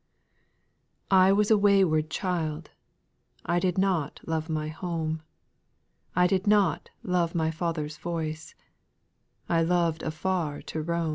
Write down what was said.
I was a wayward child, I did not love my home ; I did not love my Father's voice, I lov'd afar to roam.